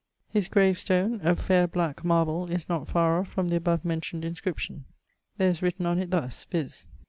His grave stone (a faire black marble) is not far off from the above mentioned inscription. There is written on it thus, viz.